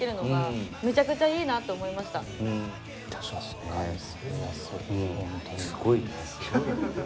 すごいね。